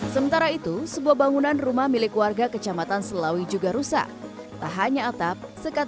sementara itu sebuah bangunan rumah milik warga kecamatan selawi juga rusak tak hanya atap sekat